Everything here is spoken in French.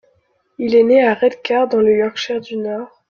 Il est né à Redcar dans le Yorkshire du Nord.